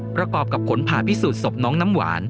ประกอบกับผลผ่าพิสูจนศพน้องน้ำหวาน